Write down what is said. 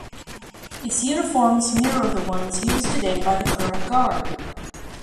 Its uniforms mirror the ones used today by the current guard.